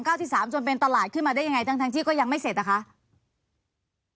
ที่สามจนเป็นตลาดขึ้นมาได้ยังไงทั้งทั้งที่ก็ยังไม่เสร็จนะคะ